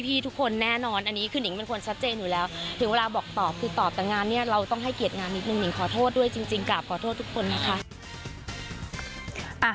ไปฟังคุณหญิงดีกว่าค่ะ